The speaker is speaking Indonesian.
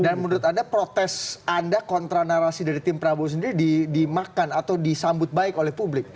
dan menurut anda protes anda kontra narasi dari tim prabowo sendiri dimakan atau disambut baik oleh publik